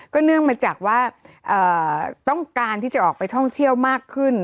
เนื่องมาจากว่าต้องการที่จะออกไปท่องเที่ยวมากขึ้น